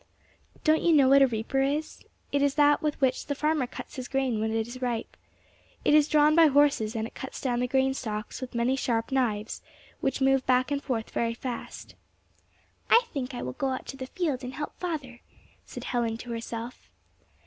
Don't you know what a reaper is? It is that with which the farmer cuts his grain when it is ripe. It is drawn by horses, and it cuts down the grain stalks with many sharp knives, which move back and forth very fast. "I think I will go out to the field and help father," said Helen to herself.